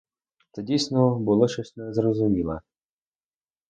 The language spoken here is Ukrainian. Це, дійсно, було щось незрозуміле.